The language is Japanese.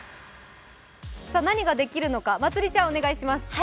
何ができるのか、まつりちゃん、お願いします。